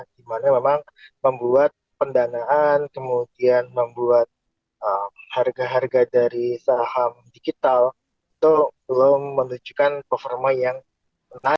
dimana memang membuat pendanaan kemudian membuat harga harga dari saham digital itu belum menunjukkan performa yang menarik